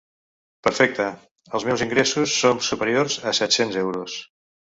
Perfecte, els meus ingressos son superiors a set-cents euros.